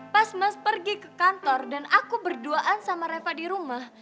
pas mas pergi ke kantor dan aku berduaan sama reva di rumah